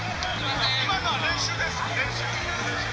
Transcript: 今のは練習です、練習。